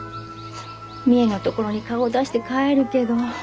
みえのところに顔を出して帰るけど。